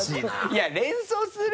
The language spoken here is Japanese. いや連想する？